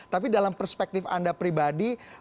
tapi dalam perspektif anda pribadi